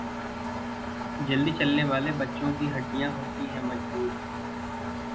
जल्दी चलने वाले बच्चों की हड्डियां होती हैं मजबूत